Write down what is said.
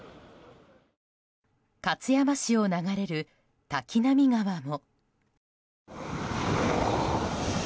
勝山市を流れる滝波川も。